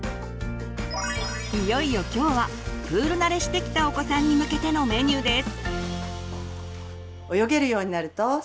いよいよ今日はプール慣れしてきたお子さんに向けてのメニューです。